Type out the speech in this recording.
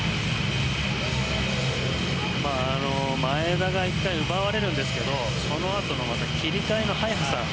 前田が１回奪われるんですけどそのあとの切り替えの早さ。